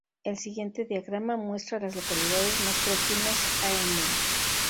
El siguiente diagrama muestra a las localidades más próximas a Emory.